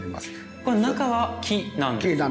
これ中は木なんですよね。